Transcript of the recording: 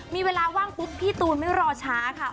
มีเวลาว่างปุ๊บพี่ตูนไม่รอช้าค่ะ